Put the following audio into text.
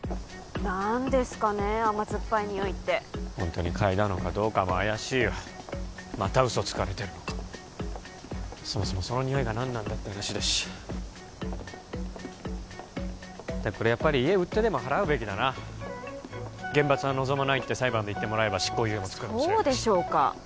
何ですかね甘酸っぱいニオイってホントに嗅いだのかどうかも怪しいよまた嘘つかれてるのかもそもそもそのニオイが何なんだって話だしこれやっぱり家売ってでも払うべきだな厳罰は望まないって裁判で言ってもらえば執行猶予もつくかもしれないしそうでしょうか